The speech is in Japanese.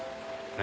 何？